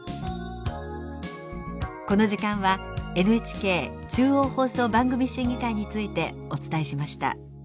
この時間はＮＨＫ中央放送番組審議会についてお伝えしました。